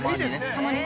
◆たまにね。